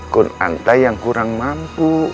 kun anta yang kurang mampu